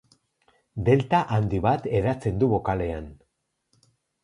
Delta handi bat eratzen du bokalean.